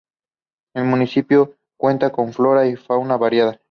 El municipio cuenta con una flora y fauna variada.